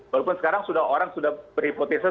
walaupun sekarang sudah orang sudah berhipotesis